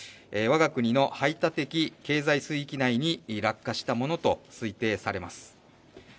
我が国の排他的経済水域内に落下したものと推定されます。